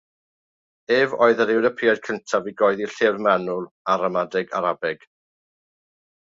Ef oedd yr Ewropeaid cyntaf i gyhoeddi llyfr manwl o ramadeg Arabeg.